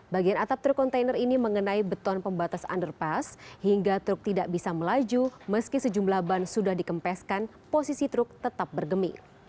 bagian atap truk kontainer ini mengenai beton pembatas underpass hingga truk tidak bisa melaju meski sejumlah ban sudah dikempeskan posisi truk tetap bergemi